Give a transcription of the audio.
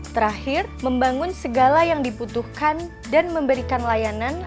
terakhir membangun segala yang dibutuhkan dan memberikan layanan